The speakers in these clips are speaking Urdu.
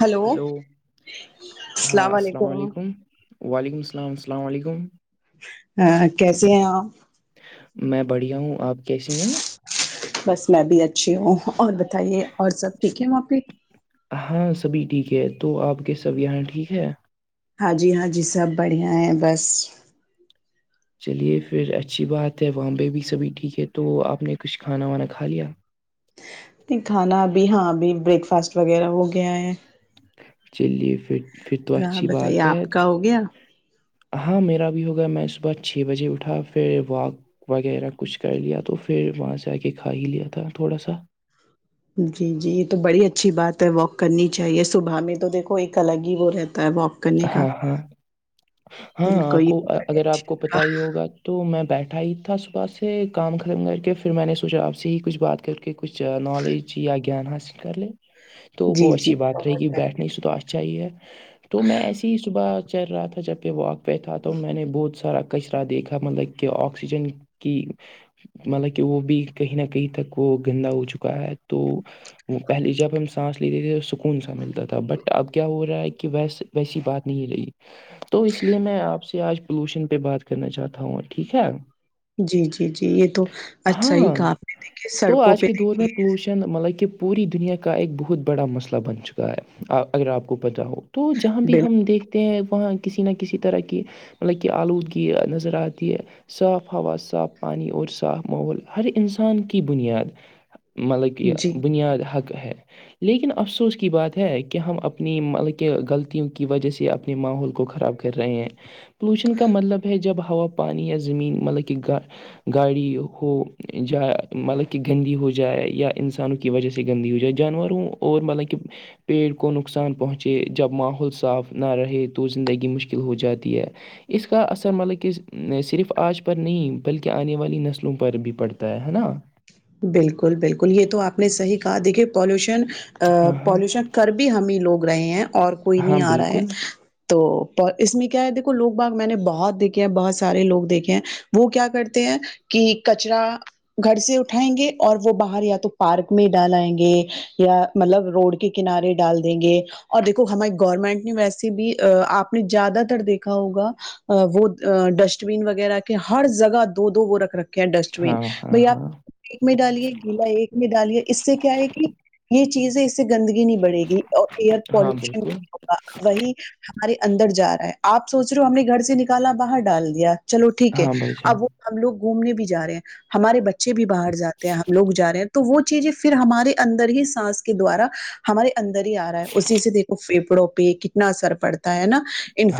ہلو السلام علیکم وعلیکم السلام السلام علیکم ا کیسے ہیں آپ میں بڑھیا ہوں آپ کیسی ہیں بس میں بھی اچھی ہوں اور بتائیے اور سب ٹھیک ہے وہاں پہ ہاں سبھی ٹھیک ہے تو آپ کے سب یہاں ٹھیک ہے ہاں جی ہاں جی سب بڑھیا ہیں بس چلیے پھر اچھی بات ہے وامبے بھی سبھی ٹھیک ہے تو آپ نے کچھ کھانا وانا کھا لیا نہیں کھانا ابھی ہاں ابھی بریک فاسٹ وغیرہ ہو گیا ہے چلیے پھر پھر تو ہاں اچھی بتائیے بات ہے آپ کا ہو گیا ہاں میرا بھی ہو گیا میں صبح چھ بجے اٹھا پھر واک وغیرہ کچھ کر لیا تو پھر وہاں سے آ کے کھا ہی لیا تھا تھوڑا سا جی جی یہ تو بڑی اچھی بات ہے واک کرنی چاہیے صبح میں تو دیکھو ایک الگ ہی وہ رہتا ہے واک کرنے کا ہاں ہاں دل ہاں آپ کو یہ اگر آپ کو پت ہی ہوگا تو میں بیٹھا ہی تھا صبح سے کام ختم کر کے پھر میں نے سوچا آپ سے ہی کچھ بات کر کے کہ کچھ نالج یا گیان حاصل کر لے تو جی وہ جی اچھی بات رہی گ بہت بیٹھنے سے تو اچھا ہی ہے تو میں ایے چل رہا تھا جب پہ واک پہ تھا تو میں نے بہت سارا کچرا دیکھا مطلب کہ آکسیجن کی مطلب کہ وہ بھی کہیں نہ کہیں تک وہ گندا ہو چکا ہے تو وہ پہلے جب ہم سانس لیتے تھے تو سکون سا ملتا تھا بٹ اب کیا ہو رہا ہے کہ ویس ویسی بات نہیں رہی تو اس لیے میں آپ سے آج پولوشن پہ بات کرنا چاہتا ہوں ٹھیک ہے جی جی جی یہ تو اچھا ہی ہاں کہ آ نے دیکھیے تو سڑکوں آج پہ کے دور میں پولوشن مطلب کہ پوری دنیا کا ایک بہت بڑا مسئلہ بن چکا ہے اگر آپ کو پتہ ہو تو جہاں بھی ہم بالکل دیکھتے ہیں وہاں کسی نہ کسی طرح کی مطلب کہ آلودگی نظر آتی ہے صاف ہوا صاف پانی اور صاف ماحول ہر انسان کی بنیاد مطلب کہ جی یہ بنیاد حق ہے لیکن افسوس کی بات ہے کہ ہم اپنی مطلب کہ غلط کی وجہ سے اپنے ماحول کو خراب کر رہے ہیں پولوشن کا مطلب ہے جب ہوا پ پانی یا زمین مطلب کہ گ گاڑی ہو جائے مطلب کہ گندی ہو جائے یا انسانوں وجہ سے گندی ہو جائے جانوروں اور مطلب کہ پیڑ کو نقصان پہنچے جب ماحول بت صاف نہ رہے تو زندگی مشکل ہو جاتی ہے اس کا اثر مطلب کہ صرف آج پر نہیں بلکہ آنے والی نسلوں پر بھی پڑتا ہے نا بالکل بالکل یہ تو آپ نے صحی کہا دیکھیے پالوشن ہاں ہاں پالوشن کر بھی ہمیں لوگ رہے ہیں اور کوئی ہاں، نہیں آ رہا ہے بالکل۔ تو اس میں کیا ہے دیکھو لوگ باغ میں نے بہت دیکھے ہیں بہت سارے لوگ دیکھے ہیں وہ کیا کرتے ہیں کہ کچرا گھر سے اٹ اٹھائیں گے اور وہ باہر یا تو پارک میں ڈالائئیں گے یا مطلب روڈ کے کنارے ڈال دیں گے اور دیکو ہماری گورنمنٹ نے ویسے بھی آپ نے زیادہ تر دیکھا ہوگا وہ ڈسٹ بین وغیرہ کے ہر جگہ دو دو وہ رکھ رکھتے کیا ڈسٹ بین ہاں، ہاں، بھائی آپ ہاں۔ ایک میں ڈالیے گیلا ایک میں ڈالیے اس سے کیا ہے کہ یہ چیزیں سے گندگی نہیں بڑے گی اور ایئر ہاں، پالوشن بالکل۔ وہی ہمارے اندر جا رہا ہے آپ سوچ رہو ہو ہم نے گھر سے نکالا باہر ڈال دیا چلو ٹھیک ہے ہاں بھائی جان۔ اب وہ ہم لوگ گھومنے بھی جا رہے ہیں ہمارے بچے بچے بھی باہر جاتے ہیں ہم لوگ جا رہے ہیں تو وہ چیزیں پھر ہمارے اندر ہی سانس کے دوارا ہمارے اندر ہی آ رہا ہے اسی سے دیکھو پھیپھڑوں پہ کتنا اثر پڑتا ہےا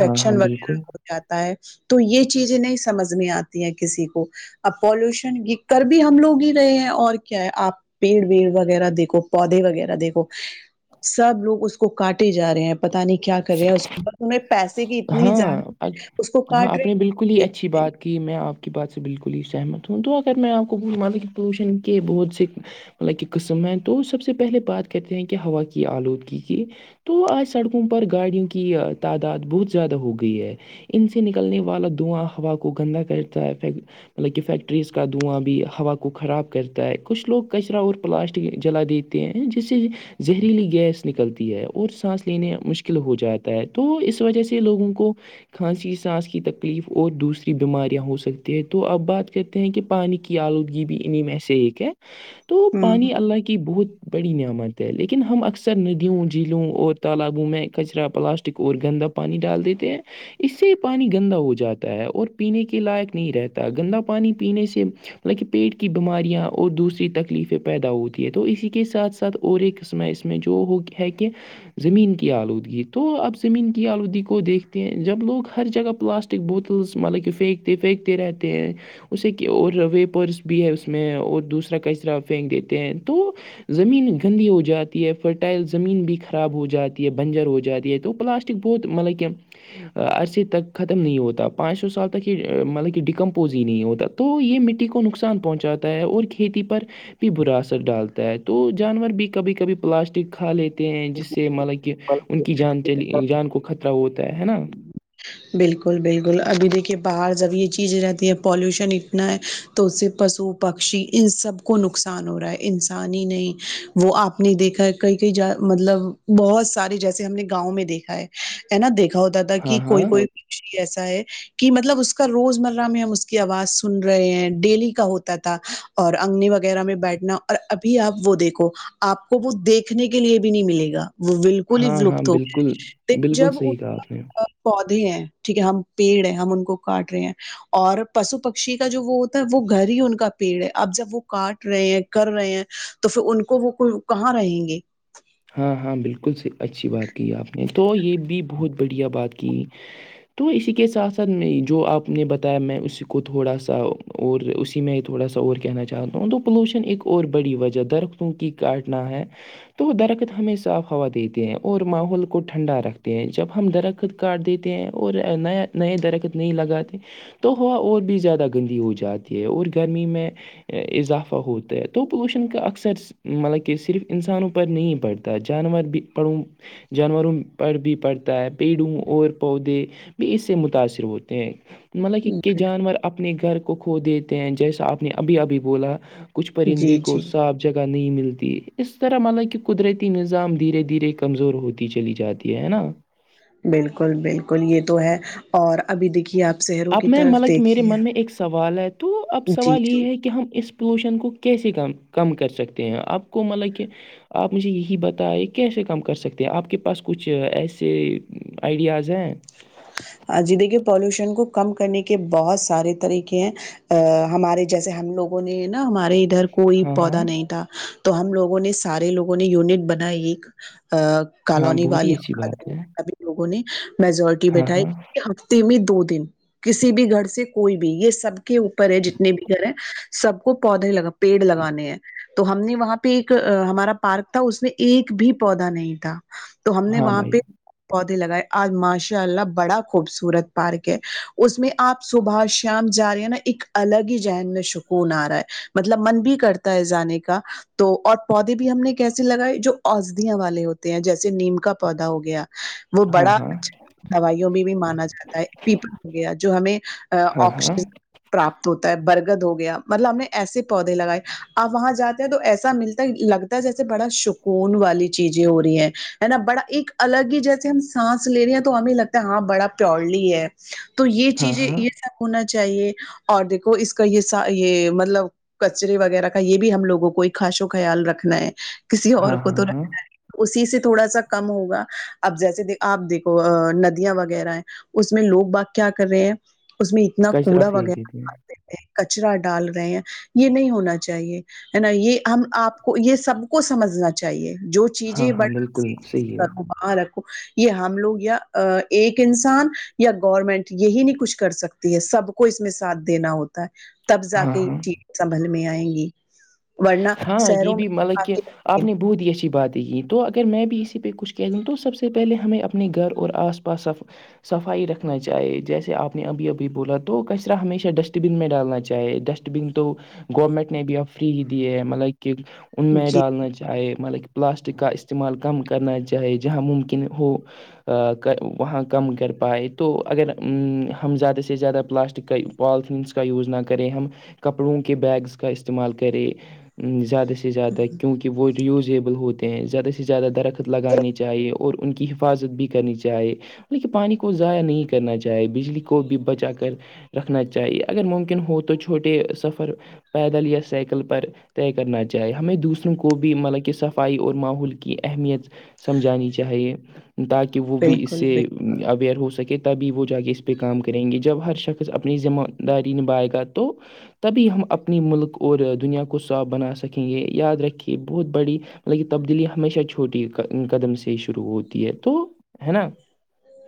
ہاں، ہاں، بالکل۔ وغیرہ جا ہے تو یہ چیزیں نہیں سمجھ میں آتی ہیں کسی کو اب پالوشن کی کر بھی ہم لوگ ہی رہے ہیں اور کیا ہے آپ پیڑ ویڑ وغیرہ دیکھو پودے وغیرہ دیکھو سب لوگ اس کو کاٹے جا رہے ہیں پتا نہیں کیا کر رہے ہیں اس کے ب تیں پیسے کی اتنی ہاں زیادہ اج- اس کو کاٹ رہے کہ میں آپ کی بات سے بالکل ہی سہمت ہوں تو اگر میں آپ کو بھول مای کہ پولوشن کے بہت سے مطلب کہ قسم ہیں تو سب سے پہلے بات کرتے ہیں کہ ہوا کی آلودگی کی تو آج سڑکوں پر گاڑیوں کی تعداد بہت زیادہ ہو گئی ہے ان سے نکلنے والا دھواں ہوا کو گندا کرتا ہے مطلب کہ فیکٹریز کا دھواں بھی ہوا کو خراب کرتا ہے کچھ لوگ کچرا اور پلاسٹک جلا دیتے ہیں جس سے زہریلی گیس نکلتی ہے اور سانس لینے مشکل ہو جاتا ہے تو اس وجہ سے لوگوں کو کھانسی سانس کی تکلیف اور دوسری بیماریاں ہو سکتی ہیں تو آپ بات کرتے ہیں کہ پانی کی آلودگی بھی انہیں میں سے ایک ہے تو ہوں پانی ہوں اللہ کی بہت بڑی نعمت ہے لیکن ہم اکثر ندیوں جھیلوں اور تالابوں میں کچرا پلاسٹک اور گندا پانی ڈال دیتے ہیں اس سے پانی گندا ہو جاتا ہے اور پینے کے لائق نہیں رہتا گندا پانی پینے سے مطلب کہ پیٹ کی بیماریاں اور دوسری تکلیفیں پیدا ہوتی ہے تو اسی کے ساتھ ساتھ اور ایک قسمہ اس میں جو ہو ہے کہ زمین کی آلودگی تو اب زمین آلودی کو دیکھتے ہیں جب لوگ ہر جگہ پلاسٹک بوتلس مطلب کہ پھینکتے پھینکتے رہتے ہیں اسے اور ویپرس بھی ہے اس میں اور دوسرا کا اس طرح پنگتے ہیں تو زمین گندی ہو جاتی ہے فرٹائل زمین بھی خراب ہو جاتی ہے بنجر ہو جاتی ہے تو پلاسٹ بہت مطلب کہ عرصے تک ختم نہیں ہوتا پانچ سو سال تک یہ مطلب کہ ڈیکمپوز ہی نہیں ہوتا تو یہ مٹی کو نقصان پہنچاتا ہے اور کھیتی پر بھی برا اثر ڈالتا ہے تو جانور بھی کبھی کبھی پلاسٹک کھا لیتے ہیں جس سے مطلب کہ ان کی جان چلی جان کو خطرہ ہوتا ہے نا بالکل بالکل ابھی دیکھیے باہر جب یہ چیز رہتی ہے پالوشن اتنا ہے تو اس سے پشو پکشی ان سب کو نقصان ہو رہا ہے انسان ہی نہیں وہ آپ نے دیکھا ہے کئی کئی جا مطلب بہت سارے جیسے ہم نے گاؤں میں دیکھا ہے نا دیکھا ہوتا تھا ہاں کہ ہاں کوئی کوئی پکشی ایسا ہے کہ مطلب اس کا روزمرہ میں ہم اس کی آواز سن رہے ہیں ڈیلی کا ہوتا تھا اور انگنی وغیرہ میں بیٹھنا اور ابھی آپ وہ دیکھو آپ کو وہ دیکھنے کے لیے بھی نہیں ملے گا وہ بالکل ہی ولپت ہو بالکل گئے بالکل جب صحیح رہے ہاں پودے ہیں ٹھیک ہے ہم پیڑ ہے ہم ان کو کاٹ رہے ہیں اور پشو پکشی کا جو وہ ہوتا ہے وہ گھر ہی ان کا پیڑ ہے اب جب وہ کاٹ رہے ہیں کر رہے ہیں تو پھر ان کو وہ کہاں رہیں گے ہاں ہاں بالکل سے اچھی بات کی آپ نے تو یہ بھی بہت بڑھیا بات کی تو اسی کے ساتھ ساتھ میں جو آپ نے بتایا میں اسی کو تھوڑا سا اور اسی میں تھوڑا سا اور کہنا چاہتا ہوں تو پولوشن ایک اور بڑی وجہ درختوں کی کاٹنا ہے تو ادھر ہمیں صاف ہوا دیتے ہیں اور ماحول کو ٹھنڈا رکھتے ہیں جب ہم درخت کاٹ دیتے ہیں اور نیا نئے درخت نہیں لگاتے تو ہوا اور بھی زیادہ گندی ہو جاتی ہے اور گرمی میں اضافہ ہوتا ہے تو پولوشن کا اکثر مطلب کہ صرف انسانوں پر نہیں پڑتا تا ہے جانور بھی پڑھوں جانوروں پڑھ بھی پڑھتا ہے پیڑوں اور پودے بھی اس سے متاثر ہوتے ہیں مطلب کہ کہ جانور اپنے گھر کو کھو دیتے ہیں جیسا آپ نے ابھی ابھی بولا کچھ پرندے جی جی کوا جگہ نہیں ملتی اس طرح مطلب کہ قدرتی نظام دھیرے دھیرے کمزور ہوتی چلی جاتی ہے نا بالکل بالکل یہ تو ہے اور ابھی دیکھیے آپ شہروں اب کی میں طرف مطلب کہ میرے دیکھیے من میں ایک سوال ہے تو اب جی سوال جی یہ ہے کہ ہم اس پر پولوشن کو کیسے کم کم کر سکتے ہیں آپ کو مطلب کہ آپ مجھے یہ جی بتائیے کیسے کم کر سکتے ہیں آپ کے پاس کچھ ایسے آئیڈیاز ہیں ہاں جی دیکھیے پالوشن کو کم کرنے کے بہت سارے طریقے ہیں ا ہمارے جیسے ہم لوگوں نے نا ہمارے ادھر کوئی ہاں پودا ہاں نہیں تھا تو ہم لوگوں نے سارے لوگوں نے یونٹ بن ایک ہاں کالونی بہت والی ہی اچھی بات ہے لوگوں نے میجورٹی ہاں بیٹھائی ہاں میں دو دن کسی بھی گھر سے کوئی بھی یہ سب کے اوپر ہے جتنے بھی گھر ہے سب کو پودے لگا پیڑ لگانے ہیں تو ہم نے وہاں پہ ایک ہمارا پارک تھا اس میں ایک بھی پودا نہیں تھا تو ہم نے ہاں وہاں بھائی پہ پودے لگائے آج ماش شاء اللہ بڑا خوبصورت پارک ہے اس میں آپ صبح شام جا رہی نا ایک الگ ہی ذہن میں سکون آ رہا ہے مطلب من بھی کرتا ہے جانے کا تو اور پودے بھی ہم نے کیسے لگائے جو اسدیاں والے ہوتے ہیں جیسے نیم کا پودا ہو گیا وہ ہاں بڑا ہاں اچھا دوائیوں میں بھی مانا جاتا ہے پیپل ہو گیا جو ہمیں ہاں ہاں آکسیجن پراپت ہوتا ہے برگد ہو گیا مطلب ہم نے ایسے پودے لگائے آپ وہاں جاتے ہیں تو ایسا ملتا لگتا جیسے بڑا سکون والی چیزیں ہو رہی ہیں ہے نا بڑا ایک الگ ہی جیسے ہم سانس لے رہے ہیں تو تو ہمیں لگتا ہے ہاں بڑا پیورلی ہے تو یہ ہاں چیزیں ہاں یہ سب ہونا چاہیے اور دیکھو اس کا یہ س یہ مطلب کچرے وغیرہ کا یہ بھی ہم لوگوں کو ایک خاص و خیال رکھنا ہے کسی اور ہاں کو ہاں تو ہاں رکھ اسی سے تھوڑا سا کم ہوگا اب جیسے آپ دیکھ ندیاں وغیرہ ہیں اس میں لوگ بات کیا کر رہے ہیں اس میں انا کچرا کوڑا پھینک وغیرہ دیتی ہیں ڈالے کچرا ڈال رہے ہیں یہ نہیں ہونا چاہیے ہے نا یہ ہم آپ کو یہ سب کو سمجھنا چاہیے جو ہاں چیزیں بڑ ہاں بالکل صحیح ہے کرو وہاں رکھو یہ ہم لوگ یا ایک انسان یا گورنمنٹ یہی نہیں کچھ کر سکتی ہے سب کو اس میں ساتھ دینا ہوتا تب جا ہاں کے یہ ہاں چیز سنبھل میں آئیں گی ورنہ ہاں یہ شہروں بھی مطلب کہ میںق آپ نے بہت ہی اچھی باتیں کییں تو اگر میں بھی اسی پہ کچھ کہہ دوں تو سب سے پہلے ہمیں اپنے گھر اور آسا بسف صفائی رکھنا چاہے جیسے آپ نے ابھی ابھی بولا تو کچرا ہمیشہ ڈسٹ بن میں ڈالنا چاہے ڈسٹ گ تو گورنمنٹ نے بھی اب فری ہی دیے ہے مطلب کہ ان میں جی ڈالنا چاہے مطلب کہ پلاسٹک کا استعمال کم کرنا چاہے جہاں ممکن ہو وہاں کم کر پائے تو اگر ہم زیادہ سے زیادہ پلاسٹک کا پالیتھینس کا یوز نہ کریں ہم کپڑوں کے بیگس کا استعمال کرے زیادہ سے زیادہ کیونکہ وہ رییوزیبل ہوتے ہیں زیادہ سے زیادہ درخت لگانی چاہیے اور ان کی حفاظت بھی کرنی چاہے بط کہ پانی کو ضائع نہیں کرنا چاہے بجلی کو بھی بچا کر رکھنا چاہیے اگر ممکن ہو تو چھوٹے سفر پیدل یا سائیکل پر طے کرنا چاہے ہمیں دوسروں کو بھی مطلب کہ صفائی اور ماحول کی اہمیت سمجھانی چاہیے تاکہ وہ بھی اس بالکل سے بالکل اویئر ہو سکے تبھی وہ جا کے اس پہ کام کریں گے جب ہر شخص اپنی ذمہ داری نبھائے گا تو تبھی ہم اپنی ملک اور دنیا کو صاف بنا سکیں گے یاد رکھیے بہت بڑی مطلب یہ تبدیلی ہمیشہ چھوٹی قدم سے ہی شروع ہوتی ہے تو ہے نا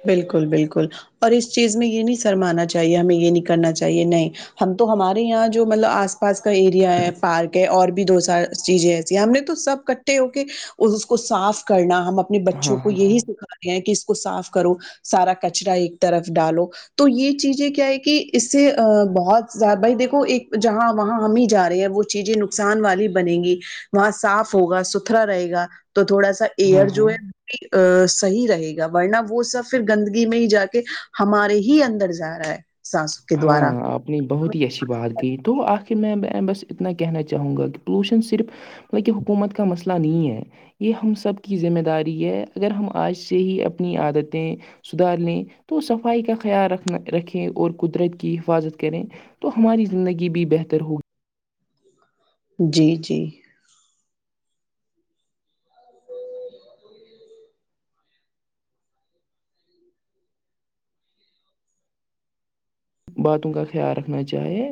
بالکل بالکل اور اس چیز میں یہ نہیں سرمانا چاہیے ہمیں یہ نہیں کرنا چاہیے نہیں ہم تو ہمارے یہاں جو مطلب آس پاس کا ایریا ہے پارک ہے اور بھی دو چار چیزیں ایسی ہیں ہم نے تو سب کٹھے ہو کے اس کو صاف کرنا ہم اپنے اپنے ہاں بچوں کو ہاں ہاں یہی سکھانے ہیں کہ اس کو صاف کرو سارا کچرا ایک طرف ڈالو تو یہ چیزیں کیا ہے کہ اس سے بہت زیادہ بھائی دیکھو ایک جہاں وہاں ہم ہی جا رہے ہیں وہ چیزیں نقصان والی بنےیں گی وہاں صاف ہوگا ستھرا رہے گا تو تھوڑا سا ایئر ہاں جو ہاں ہے وہ بھی صحی رہے گا ورنہ وہ سب پھر گندگی میں ہی جا کے ہمارے ہی اندر جا رہا ہے سانسوں کے ہاں دوارا آپ اتنی بہت ہی اچھی بات گئی تو آخر میں بس اتنا کہنا چاہوں گا کہ پولوشن صرف مطلب کہ حکومت کا مسئلہ نہیں ہے یہ ہم سب کی ذمہ داری ہے اگر ہم آج سے ہی اپنی عادتیں سدھار لیں تو صفائی کا خیال رکھنا رکھیں اور قدرت کی حفاظت کریں تو ہماری زندگی بھی بہتر ہوگی جی جی باتوں کا خیال رکھنا چاہے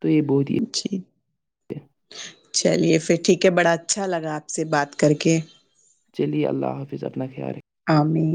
تو یہ بہت ہی جی ہے۔ چلیے پھر ٹھیک ہے بڑا اچھا لگا آپ سے بات کر کے چلیے اللہ حافظ اپنا خیال ہے امین